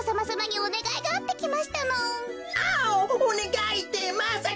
おねがいってまさか。